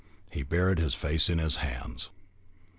He buried his face in his hands.